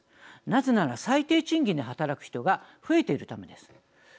なぜなら、最低賃金で働く人が増えているためです。